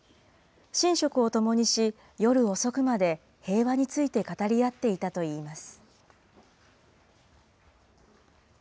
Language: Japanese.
寝食を共にし、夜遅くまで平和について語り合っていたといいます。